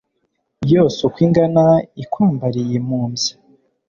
Yose uko ingana, Ikwambariye impumbya,